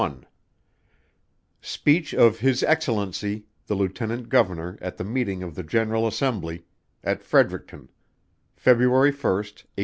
1 _Speech of His Excellency the Lieutenant Governor at the meeting of the General Assembly, at Fredericton, February 1, 1825.